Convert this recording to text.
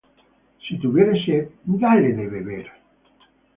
si tuviere sed, dale de beber: